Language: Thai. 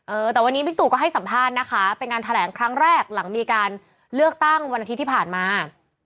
เออแต่วันนี้บิ๊กตู่ก็ให้สัมภาษณ์นะคะเป็นงานแถลงครั้งแรกหลังมีการเลือกตั้งวันอาทิตย์ที่ผ่านมา